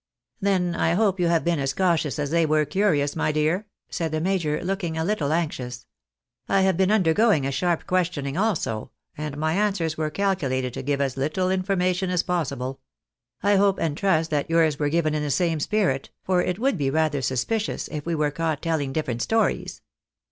" Then I hope you have been as cautious as they were curious, my dear ?" said the major, looking a little anxious. " I have been undergoing a sharp questioning also, and my answers were calcu lated to give as Uttle information as possible. I hope and trust that yours were given in the same spirit, for it would be rather sus picious if we were caught telling different stories."